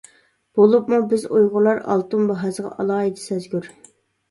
بولۇپمۇ بىز ئۇيغۇرلار ئالتۇن باھاسىغا ئالاھىدە سەزگۈر.